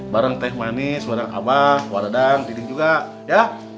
bareng teh manis bareng abah wadadang tidik juga ya